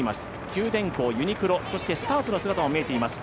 九電工、ユニクロ、そしてスターツの姿も見えます。